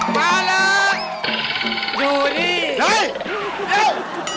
มาแล้ว